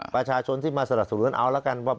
ประชาชนที่มาสนับสนุนเอาละกันว่า